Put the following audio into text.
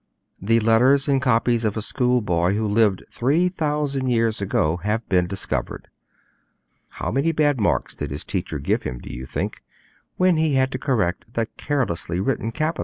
The letters and copies of a schoolboy who lived three thousand years ago have been discovered. How many bad marks did his teacher give him, do you think, when he had to correct that carelessly written capital?